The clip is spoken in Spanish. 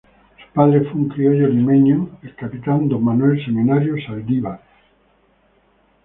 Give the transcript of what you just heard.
Su padre fue un criollo limeño, el capitán don Manuel Seminario Saldívar.